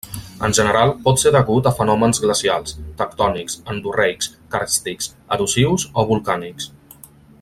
En general, pot ser degut a fenòmens glacials, tectònics, endorreics, càrstics, erosius o volcànics.